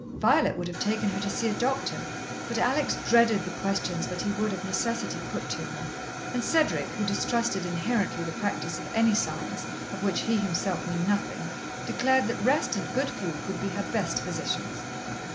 Violet would have taken her to see a doctor, but Alex dreaded the questions that he would, of necessity, put to her, and Cedric, who distrusted inherently the practice of any science of which he himself knew nothing, declared that rest and good food would be her best physicians.